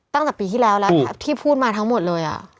ตั้งแต่ปีที่แล้วแล้วที่พูดมาทั้งหมดเลย